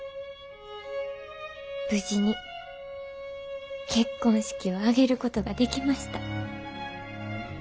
無事に結婚式を挙げることができました。